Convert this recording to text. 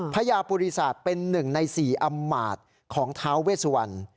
พระยาปุริศาสตร์เป็นหนึ่งในสี่อำมาตย์ของท้าวเวสวรรค์